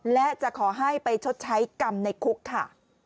และจะขอให้ไปชดใช้กรรมในคุกค่ะ